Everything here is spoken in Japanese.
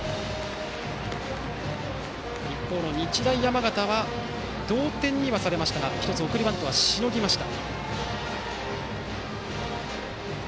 一方の日大山形は同点にはされましたが１つ、送りバントはしのぎました。